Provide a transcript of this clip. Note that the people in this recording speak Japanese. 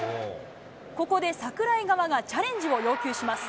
ここで櫻井側がチャレンジを要求します。